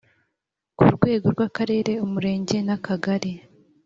K urwego rw akarere umurenge n akagari